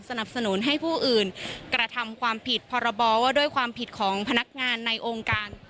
สนับสนุนให้ผู้อื่นกระทำความผิดพรบว่าด้วยความผิดของพนักงานในองค์การ